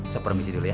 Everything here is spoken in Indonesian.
saya permisi dulu ya